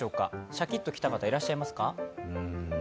シャキッと来た方、いらっしゃいますか？